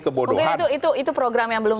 mungkin itu program yang belum